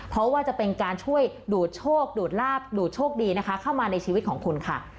เพราะว่าจะเป็นการช่วยดูดโชคดูดลาบดูดโชคดีนะคะเข้ามาในชีวิตของคุณค่ะ